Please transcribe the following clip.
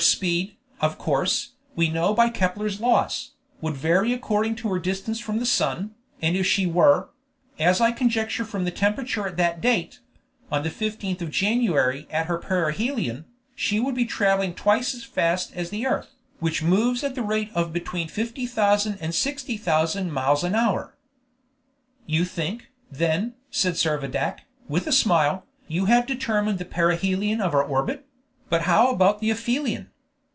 Her speed, of course, we know by Kepler's laws, would vary according to her distance from the sun, and if she were as I conjecture from the temperature at that date on the 15th of January at her perihelion, she would be traveling twice as fast as the earth, which moves at the rate of between 50,000 and 60,000 miles an hour." "You think, then," said Servadac, with a smile, "you have determined the perihelion of our orbit; but how about the aphelion?